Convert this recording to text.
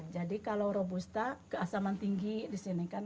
jadi kalau robusta keasaman tinggi disini kan